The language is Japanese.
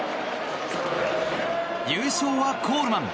優勝はコールマン。